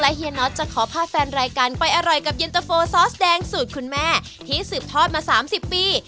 เฮียน็อตจะขอพาแฟนรายการไปอร่อยกับเย็นตะโฟซอสแดงสูตรคุณแม่ที่สืบทอดมา๓๐ปี